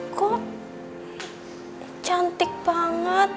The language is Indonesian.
kok cantik banget